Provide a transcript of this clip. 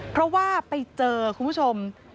เพราะว่าไปเจอคุณผู้ชม